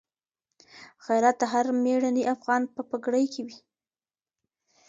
غیرت د هر مېړني افغان په پګړۍ کي وي.